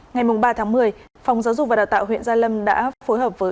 ngày ba tháng một mươi phòng giáo dục và đào tạo huyện gia lâm đã phối hợp với